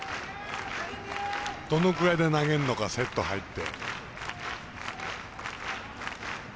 どのくらいで投げるのかセット入って。